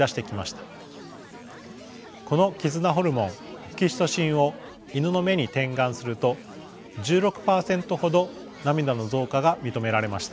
この絆ホルモンオキシトシンをイヌの目に点眼すると１６％ほど涙の増加が認められました。